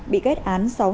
bị kết án sau